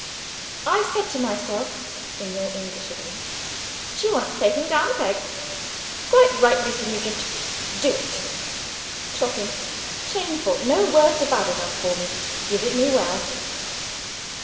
I said to myself (in your English idiom), She wants taking down a peg; quite right, Mr. Nugent; do it. Shocking! shameful! no words are bad enough for me: give it me well.